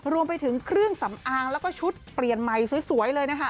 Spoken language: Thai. รวมไปถึงเครื่องสำอางแล้วก็ชุดเปลี่ยนใหม่สวยเลยนะคะ